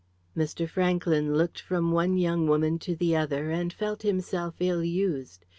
Mr. Franklyn looked from one young woman to the other, and felt himself ill used.